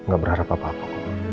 ga berharap apa apa